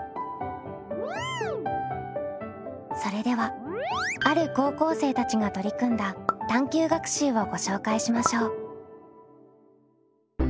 それではある高校生たちが取り組んだ探究学習をご紹介しましょう。